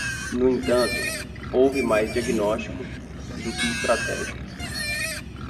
No entanto, houve mais diagnóstico do que estratégia.